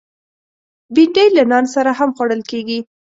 بېنډۍ له نان سره هم خوړل کېږي